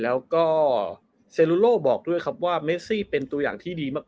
แล้วก็เซลูโลบอกด้วยครับว่าเมซี่เป็นตัวอย่างที่ดีมาก